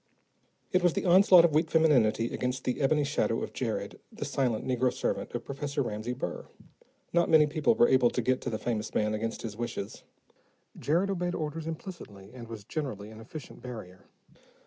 It was the onslaught of weak femininity against the ebony shadow of Jared, the silent negro servant of Professor Ramsey Burr. Not many people were able to get to the famous man against his wishes; Jared obeyed orders implicitly and was generally an efficient barrier.